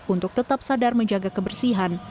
untuk tetap sadar menjaga kebersihan